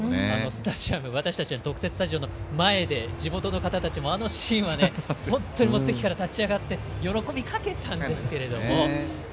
スタジアム私たちの特設スタジオの前で地元の方たちも、あのシーンは本当に席から立ち上がって喜びかけたんですけれども。